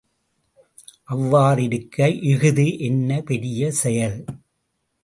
அவ்வாறிருக்க இஃது என்ன பெரிய செயல்?